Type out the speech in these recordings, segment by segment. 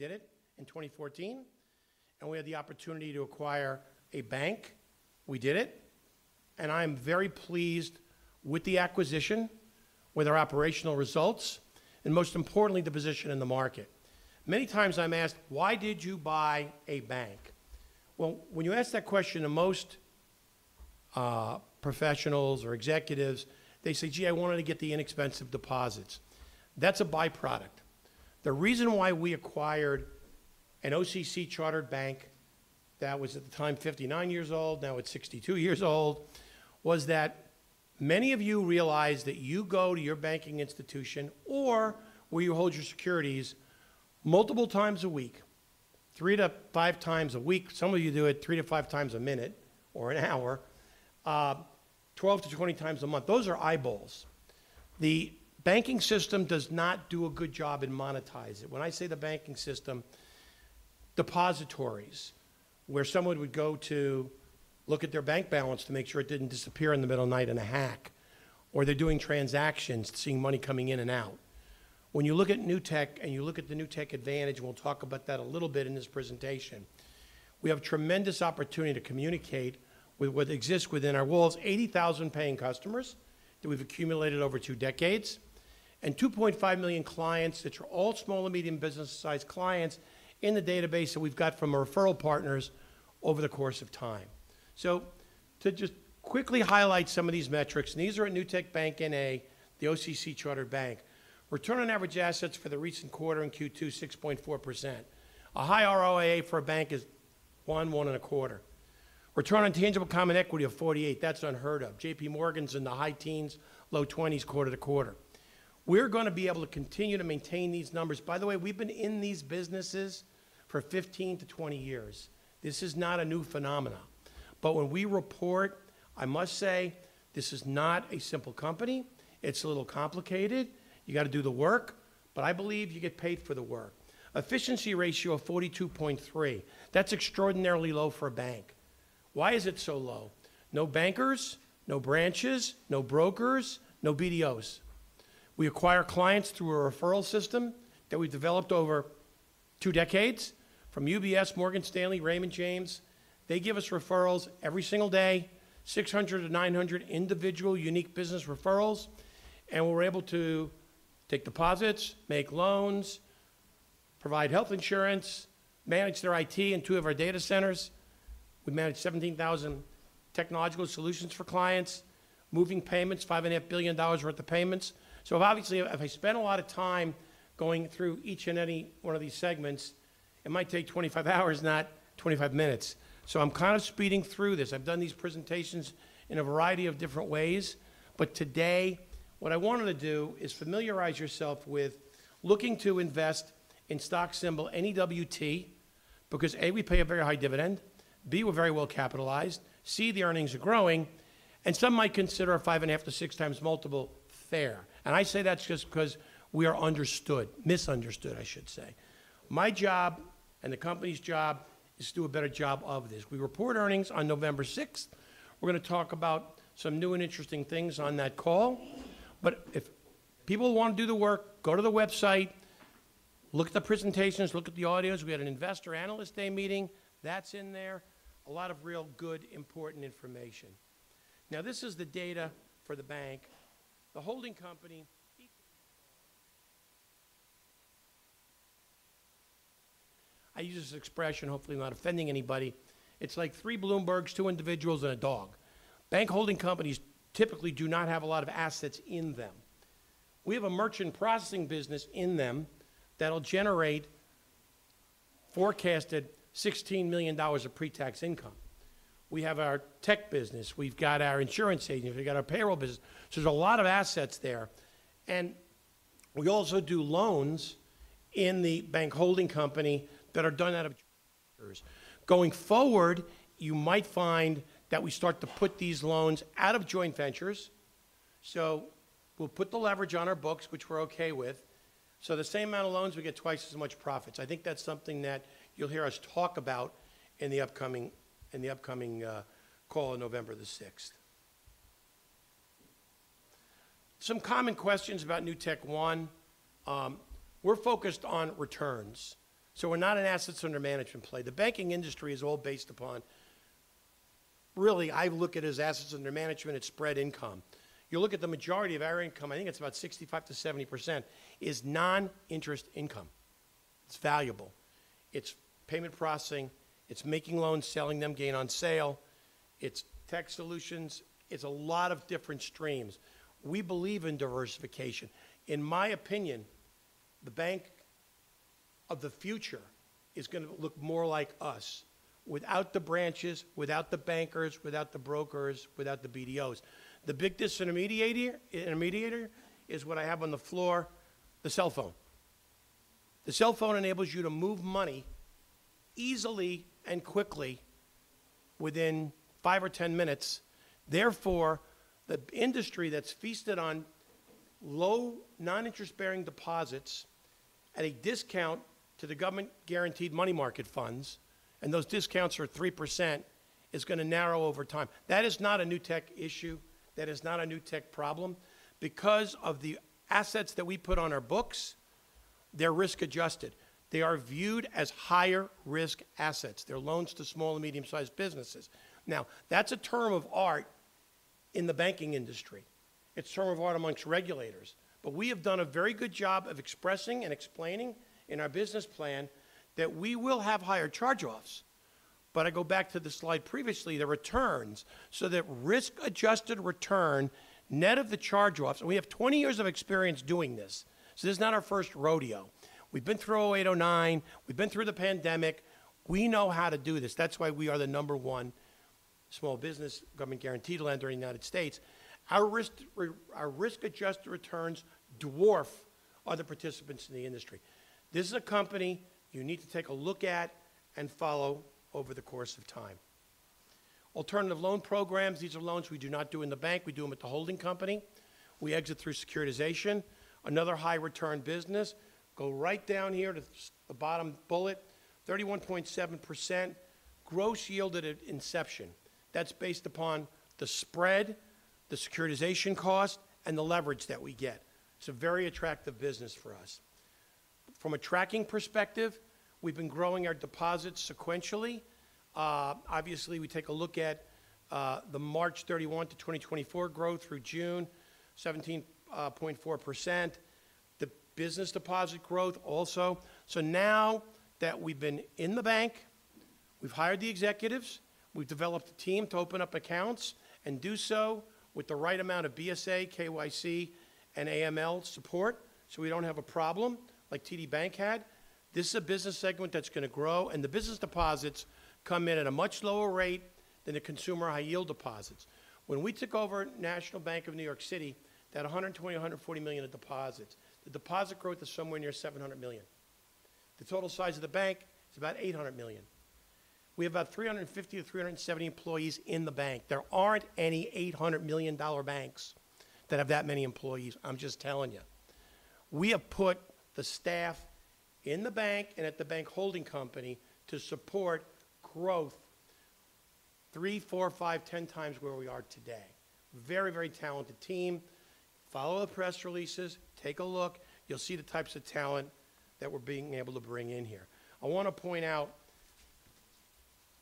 Did it in 2014, and we had the opportunity to acquire a bank. We did it, and I am very pleased with the acquisition, with our operational results, and most importantly, the position in the market. Many times I'm asked, "Why did you buy a bank?" Well, when you ask that question to most professionals or executives, they say, "Gee, I wanted to get the inexpensive deposits." That's a byproduct. The reason why we acquired an OCC chartered bank that was at the time 59 years old, now it's 62 years old, was that many of you realize that you go to your banking institution, or where you hold your securities, multiple times a week, three to five times a week, some of you do it three to five times a minute or an hour, 12 to 20 times a month. Those are eyeballs. The banking system does not do a good job in monetizing. When I say the banking system, depositories where someone would go to look at their bank balance to make sure it didn't disappear in the middle of the night in a hack, or they're doing transactions, seeing money coming in and out. When you look at Newtek and you look at the Newtek Advantage, and we'll talk about that a little bit in this presentation, we have a tremendous opportunity to communicate with what exists within our walls: 80,000 paying customers that we've accumulated over two decades and 2.5 million clients that are all small and medium business size clients in the database that we've got from our referral partners over the course of time. To just quickly highlight some of these metrics, and these are at Newtek Bank, N.A., the OCC-chartered bank. Return on average assets for the recent quarter in Q2 is 6.4%. A high ROA for a bank is 1.25%. Return on tangible common equity of 48%. That's unheard of. JPMorgan's in the high teens-low 20s%, quarter to quarter. We're going to be able to continue to maintain these numbers. By the way, we've been in these businesses for 15-20 years. This is not a new phenomenon. When we report, I must say, this is not a simple company. It's a little complicated. You got to do the work, but I believe you get paid for the work. Efficiency ratio of 42.3%. That's extraordinarily low for a bank. Why is it so low? No bankers, no branches, no brokers, no BDOs. We acquire clients through a referral system that we've developed over two decades from UBS, Morgan Stanley, Raymond James. They give us referrals every single day, 600-900 individual, unique business referrals, and we're able to take deposits, make loans, provide health insurance, manage their IT in two of our data centers. We manage 17,000 technological solutions for clients, moving payments, $5.5 billion worth of payments. So obviously, if I spend a lot of time going through each and any one of these segments, it might take 25 hours, not 25 minutes. So I'm kind of speeding through this. I've done these presentations in a variety of different ways, but today what I wanted to do is familiarize yourself with looking to invest in stock symbol NEWT because, A, we pay a very high dividend, B, we're very well capitalized, C, the earnings are growing, and some might consider a five and a half to six times multiple fair, and I say that's just because we are misunderstood, I should say. My job and the company's job is to do a better job of this. We report earnings on November 6th. We're going to talk about some new and interesting things on that call, but if people want to do the work, go to the website, look at the presentations, look at the audios. We had an investor analyst day meeting. That's in there. A lot of real good, important information. Now, this is the data for the bank. The holding company, I use this expression, hopefully not offending anybody. It's like three Bloombergs, two individuals, and a dog. Bank holding companies typically do not have a lot of assets in them. We have a merchant processing business in them that'll generate forecasted $16 million of pre-tax income. We have our tech business. We've got our insurance agents. We've got our payroll business. So there's a lot of assets there. And we also do loans in the bank holding company that are done out of joint ventures. Going forward, you might find that we start to put these loans out of joint ventures. So we'll put the leverage on our books, which we're okay with. So the same amount of loans, we get twice as much profits. I think that's something that you'll hear us talk about in the upcoming call on November the 6th. Some common questions about NewtekOne. We're focused on returns. So we're not an assets under management play. The banking industry is all based upon. Really, I look at it as assets under management. It's spread income. You look at the majority of our income, I think it's about 65%-70%, is non-interest income. It's valuable. It's payment processing. It's making loans, selling them, gain on sale. It's tech solutions. It's a lot of different streams. We believe in diversification. In my opinion, the bank of the future is going to look more like us without the branches, without the bankers, without the brokers, without the BDOs. The big disintermediator is what I have on the floor, the cell phone. The cell phone enables you to move money easily and quickly within five or 10 minutes. Therefore, the industry that's feasted on low, non-interest-bearing deposits at a discount to the government-guaranteed money market funds, and those discounts are 3%, is going to narrow over time. That is not a Newtek issue. That is not a Newtek problem. Because of the assets that we put on our books, they're risk-adjusted. They are viewed as higher-risk assets. They're loans to small and medium-sized businesses. Now, that's a term of art in the banking industry. It's a term of art amongst regulators. But we have done a very good job of expressing and explaining in our business plan that we will have higher charge-offs. But I go back to the slide previously, the returns. So that risk-adjusted return, net of the charge-offs, and we have 20 years of experience doing this. So this is not our first rodeo. We've been through 2008/2009. We've been through the pandemic. We know how to do this. That's why we are the number one small business government-guaranteed lender in the United States. Our risk-adjusted returns dwarf other participants in the industry. This is a company you need to take a look at and follow over the course of time. Alternative loan programs, these are loans we do not do in the bank. We do them at the holding company. We exit through securitization. Another high-return business. Go right down here to the bottom bullet, 31.7% gross yield at inception. That's based upon the spread, the securitization cost, and the leverage that we get. It's a very attractive business for us. From a tracking perspective, we've been growing our deposits sequentially. Obviously, we take a look at the March 31 to 2024 growth through June, 17.4%. The business deposit growth also. So now that we've been in the bank, we've hired the executives. We've developed a team to open up accounts and do so with the right amount of BSA, KYC, and AML support so we don't have a problem like TD Bank had. This is a business segment that's going to grow. And the business deposits come in at a much lower rate than the consumer high-yield deposits. When we took over National Bank of New York City, that $120-140 million of deposits, the deposit growth is somewhere near $700 million. The total size of the bank is about $800 million. We have about 350 to 370 employees in the bank. There aren't any $800 million banks that have that many employees. I'm just telling you. We have put the staff in the bank and at the bank holding company to support growth three, four, five, 10 times where we are today. Very, very talented team. Follow the press releases. Take a look. You'll see the types of talent that we're being able to bring in here. I want to point out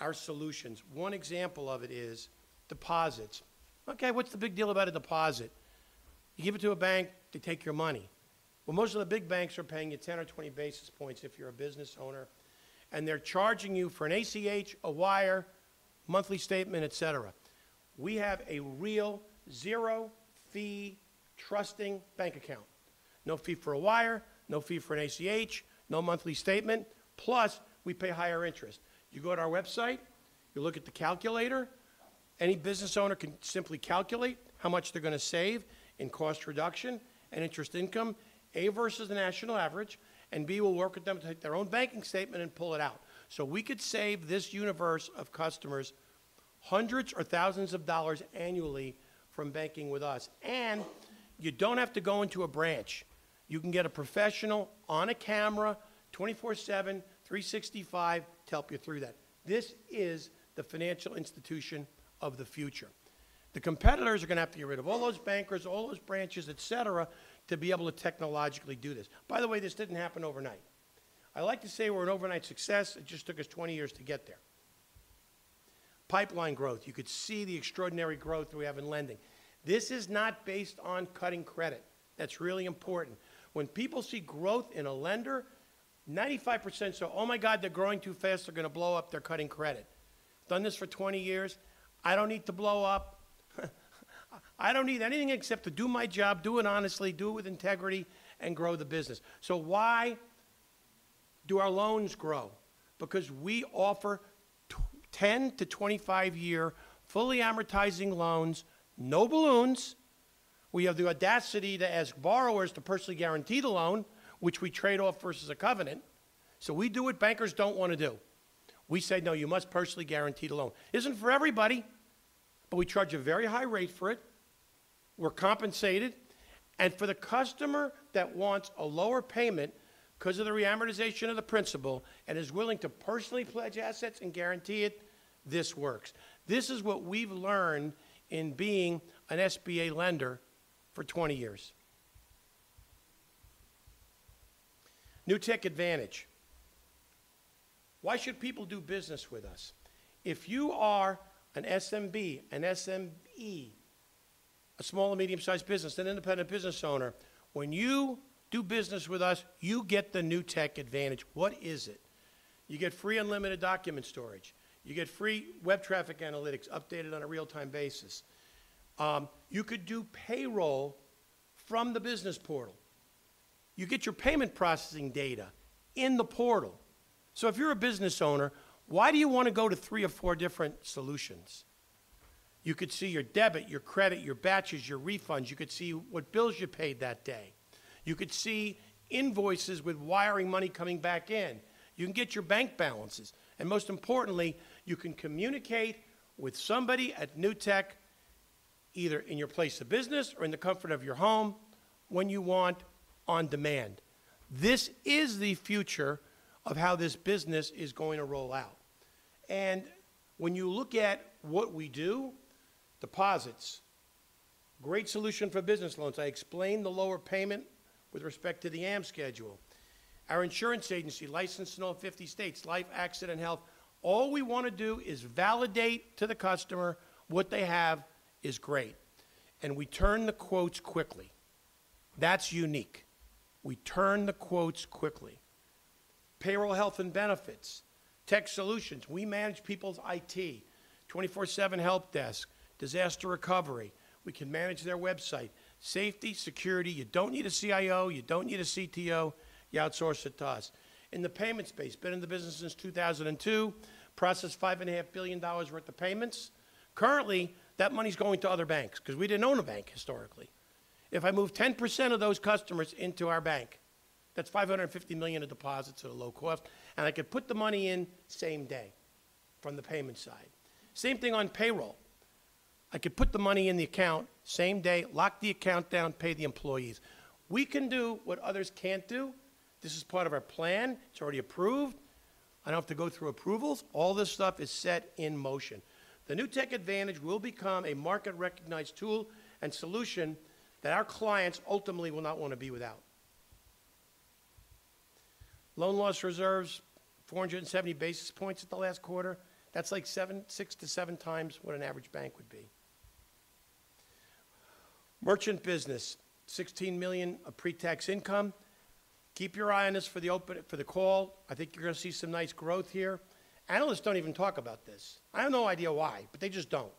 our solutions. One example of it is deposits. Okay, what's the big deal about a deposit? You give it to a bank, they take your money. Well, most of the big banks are paying you 10 or 20 basis points if you're a business owner. And they're charging you for an ACH, a wire, monthly statement, etc. We have a real zero-fee business bank account. No fee for a wire, no fee for an ACH, no monthly statement. Plus, we pay higher interest. You go to our website, you look at the calculator. Any business owner can simply calculate how much they're going to save in cost reduction and interest income, A, versus the national average, and B, we'll work with them to take their own banking statement and pull it out. So we could save this universe of customers hundreds or thousands of dollars annually from banking with us. And you don't have to go into a branch. You can get a professional on a camera 24/7, 365 to help you through that. This is the financial institution of the future. The competitors are going to have to get rid of all those bankers, all those branches, etc., to be able to technologically do this. By the way, this didn't happen overnight. I like to say we're an overnight success. It just took us 20 years to get there. Pipeline growth. You could see the extraordinary growth we have in lending. This is not based on cutting credit. That's really important. When people see growth in a lender, 95% say, "Oh my God, they're growing too fast. They're going to blow up. They're cutting credit." Done this for 20 years. I don't need to blow up. I don't need anything except to do my job, do it honestly, do it with integrity, and grow the business. So why do our loans grow? Because we offer 10-25-year fully amortizing loans, no balloons. We have the audacity to ask borrowers to personally guarantee the loan, which we trade off versus a covenant. So we do what bankers don't want to do. We say, "No, you must personally guarantee the loan." Isn't for everybody, but we charge a very high rate for it. We're compensated. For the customer that wants a lower payment because of the reamortization of the principal and is willing to personally pledge assets and guarantee it, this works. This is what we've learned in being an SBA lender for 20 years. Newtek Advantage. Why should people do business with us? If you are an SMB, an SME, a small and medium-sized business, an independent business owner, when you do business with us, you get the Newtek Advantage. What is it? You get free unlimited document storage. You get free web traffic analytics updated on a real-time basis. You could do payroll from the business portal. You get your payment processing data in the portal. So if you're a business owner, why do you want to go to three or four different solutions? You could see your debit, your credit, your batches, your refunds. You could see what bills you paid that day. You could see invoices with wiring money coming back in. You can get your bank balances, and most importantly, you can communicate with somebody at Newtek, either in your place of business or in the comfort of your home, when you want, on demand. This is the future of how this business is going to roll out, and when you look at what we do, deposits, great solution for business loans. I explained the lower payment with respect to the Am schedule. Our insurance agency licensed in all 50 states, life, accident, and health. All we want to do is validate to the customer what they have is great, and we turn the quotes quickly. That's unique. We turn the quotes quickly. Payroll, health, and benefits, tech solutions. We manage people's IT, 24/7 help desk, disaster recovery. We can manage their website. Safety, security. You don't need a CIO. You don't need a CTO. You outsource it to us. In the payments space, been in the business since 2002, processed $5.5 billion worth of payments. Currently, that money's going to other banks because we didn't own a bank historically. If I move 10% of those customers into our bank, that's $550 million of deposits at a low cost, and I could put the money in same day from the payment side. Same thing on payroll. I could put the money in the account same day, lock the account down, pay the employees. We can do what others can't do. This is part of our plan. It's already approved. I don't have to go through approvals. All this stuff is set in motion. The Newtek Advantage will become a market-recognized tool and solution that our clients ultimately will not want to be without. Loan loss reserves, 470 basis points at the last quarter. That's like six to seven times what an average bank would be. Merchant business, $16 million of pre-tax income. Keep your eye on this for the call. I think you're going to see some nice growth here. Analysts don't even talk about this. I have no idea why, but they just don't.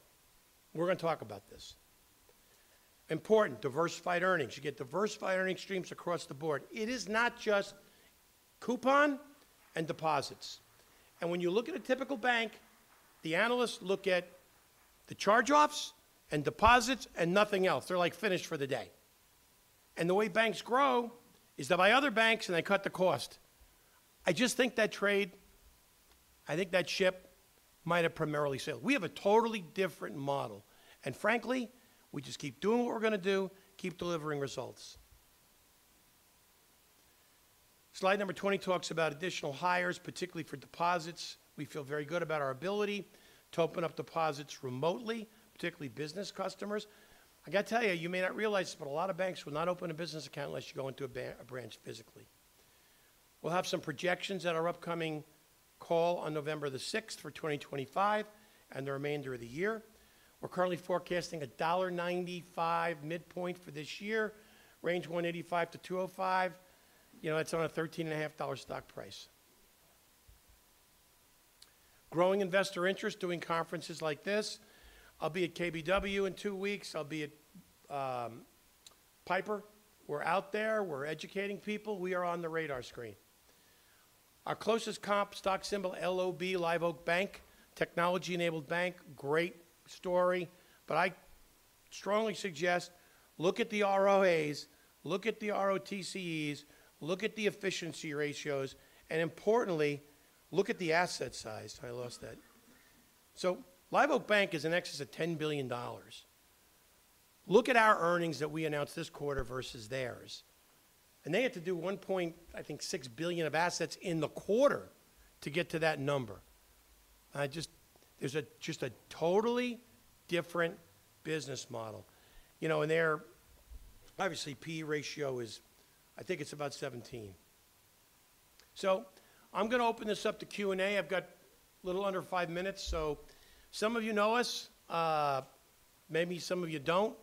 We're going to talk about this. Important, diversified earnings. You get diversified earnings streams across the board. It is not just coupon and deposits, and when you look at a typical bank, the analysts look at the charge-offs and deposits and nothing else. They're like finished for the day, and the way banks grow is they buy other banks and they cut the cost. I just think that trade, I think that ship might have primarily sailed. We have a totally different model, and frankly, we just keep doing what we're going to do, keep delivering results. Slide number 20 talks about additional hires, particularly for deposits. We feel very good about our ability to open up deposits remotely, particularly business customers. I got to tell you, you may not realize this, but a lot of banks will not open a business account unless you go into a branch physically. We'll have some projections at our upcoming call on November the 6th for 2025 and the remainder of the year. We're currently forecasting a $1.95 midpoint for this year, range $1.85-$2.05. You know, that's on a $13.5 stock price. Growing investor interest, doing conferences like this. I'll be at KBW in two weeks. I'll be at Piper. We're out there. We're educating people. We are on the radar screen. Our closest comp, stock symbol LOB, Live Oak Bank, technology-enabled bank, great story. But I strongly suggest look at the ROAs, look at the ROTCEs, look at the efficiency ratios, and importantly, look at the asset size. I lost that. Live Oak Bank is in excess of $10 billion. Look at our earnings that we announced this quarter versus theirs. They had to do $1.6 billion of assets in the quarter to get to that number. There's just a totally different business model. You know, and they're obviously P/E ratio is, I think it's about 17. I'm going to open this up to Q&A. I've got a little under five minutes. Some of you know us, maybe some of you don't.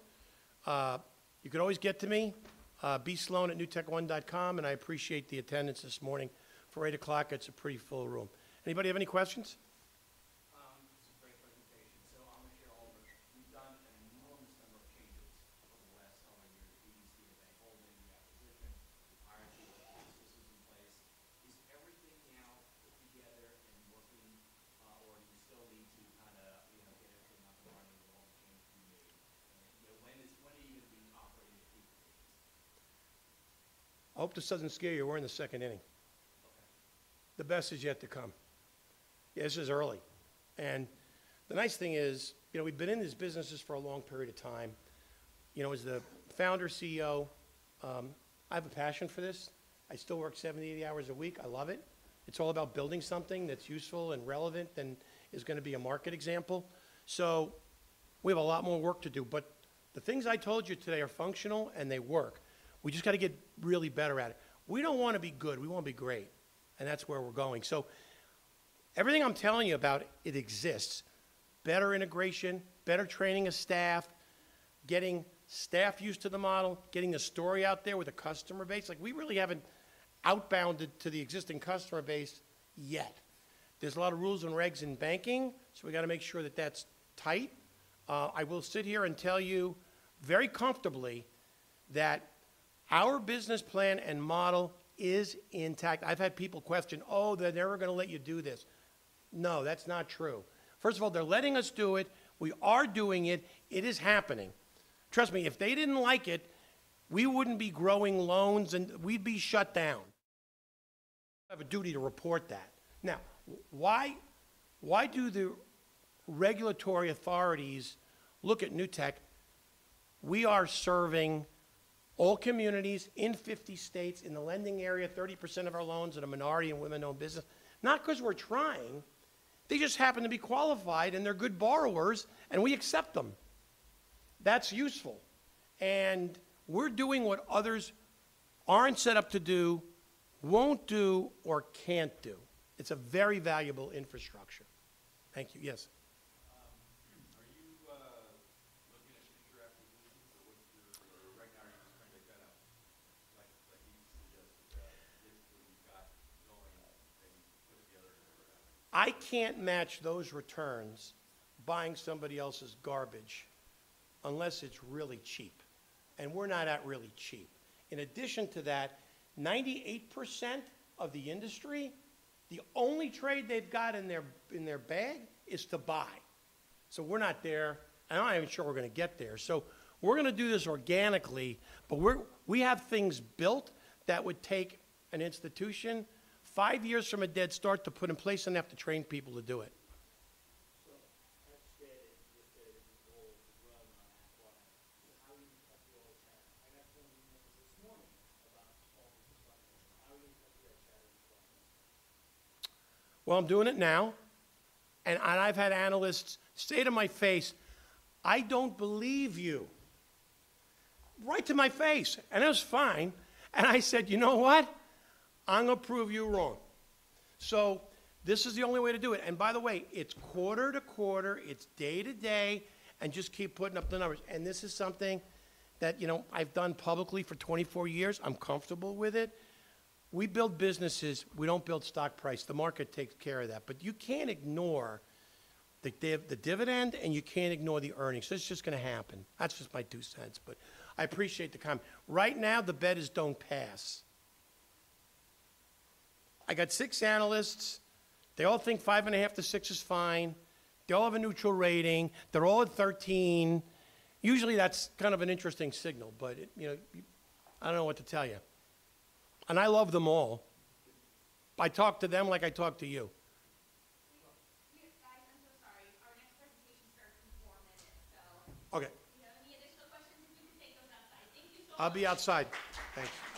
You can always get to me, bslone@newtekone.com. I appreciate the attendance this morning. For 8 o'clock, it's a pretty full room. Anybody have any questions? This is a great presentation, so I'm going to share all of this. We've done an enormous number of changes over the last several years: the BDC event, holding, the acquisition, the R&D, the cost systems in place. Is everything now put together and working, or do you still need to kind of, you know, get everything up and running with all the changes you made? You know, when are you going to be operating at peak? I hope this doesn't scare you. We're in the second inning. The best is yet to come. This is early, and the nice thing is, you know, we've been in these businesses for a long period of time. You know, as the founder CEO, I have a passion for this. I still work 70-80 hours a week. I love it. It's all about building something that's useful and relevant and is going to be a market example. So we have a lot more work to do. But the things I told you today are functional and they work. We just got to get really better at it. We don't want to be good. We want to be great. And that's where we're going. So everything I'm telling you about, it exists. Better integration, better training of staff, getting staff used to the model, getting the story out there with a customer base. Like we really haven't outbounded to the existing customer base yet. There's a lot of rules and regs in banking, so we got to make sure that that's tight. I will sit here and tell you very comfortably that our business plan and model is intact. I've had people question, "Oh, they're never going to let you do this." No, that's not true. First of all, they're letting us do it. We are doing it. It is happening. Trust me, if they didn't like it, we wouldn't be growing loans and we'd be shut down. We have a duty to report that. Now, why do the regulatory authorities look at Newtek? We are serving all communities in 50 states in the lending area, 30% of our loans in a minority and women-owned business. Not because we're trying. They just happen to be qualified and they're good borrowers and we accept them. That's useful. And we're doing what others aren't set up to do, won't do, or can't do. It's a very valuable infrastructure. Thank you. Yes. Are you looking at future acquisitions or what's your right now you're just trying to kind of, like you suggested, basically got going and put together and never have? I can't match those returns buying somebody else's garbage unless it's really cheap. And we're not at really cheap. In addition to that, 98% of the industry, the only trade they've got in their bag is to buy. So we're not there. And I'm not even sure we're going to get there. So we're going to do this organically, but we have things built that would take an institution five years from a dead start to put in place and have to train people to do it. So I understand that you just said you will run on acquired. So how are you going to cut the old tax? I got some emails this morning about all this acquisition. How are you going to cut the cost? Well, I'm doing it now. And I've had analysts say to my face, "I don't believe you." Right to my face. And I was fine. And I said, "You know what? I'm going to prove you wrong." So this is the only way to do it. And by the way, it's quarter to quarter. It's day to day. And just keep putting up the numbers. And this is something that, you know, I've done publicly for 24 years. I'm comfortable with it. We build businesses. We don't build stock price. The market takes care of that. But you can't ignore the dividend and you can't ignore the earnings. It's just going to happen. That's just my two cents. But I appreciate the comment. Right now, the bet is don't pass. I got six analysts. They all think five and a half to six is fine. They all have a neutral rating. They're all at 13. Usually, that's kind of an interesting signal, but, you know, I don't know what to tell you. And I love them all. I talk to them like I talk to you. Thank you. Hi, I'm so sorry. Our next presentation starts in four minutes, so. Okay. If you have any additional questions, if you could take those outside. Thank you so much. I'll be outside. Thanks.